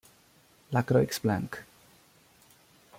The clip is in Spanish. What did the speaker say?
La Croix-Blanche